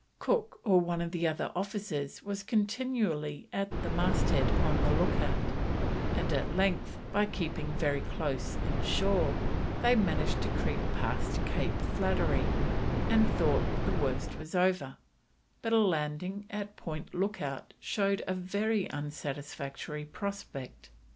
Cook or one of the other officers was continually at the masthead on the look out, and at length, by keeping very close in shore, they managed to creep past Cape Flattery, and thought the worst was over, but a landing at Point Lookout showed a very unsatisfactory prospect.